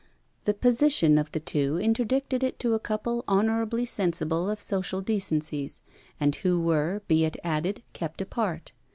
The position of the two interdicted it to a couple honourably sensible of social decencies; and who were, be it added, kept apart.